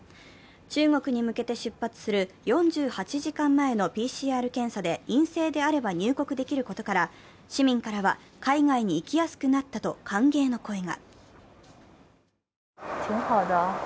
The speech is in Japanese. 中国に向けて出発する４８時間前のＰＣＲ検査で陰性であれば入国できることから市民からは海外に行きやすくなったと歓迎の声が。